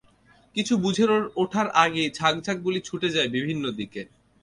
কিছু বুঝে ওঠার আগেই ঝাঁক ঝাঁক গুলি ছুটে যায় বিভিন্ন দিকে।